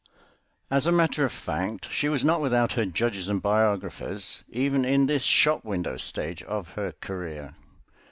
As a matter of fact, she was not without her judges and biographers, even in this shop window stage of her career.